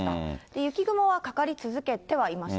雪雲はかかり続けてはいました。